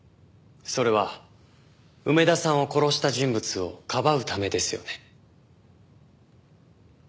それは梅田さんを殺した人物をかばうためですよね？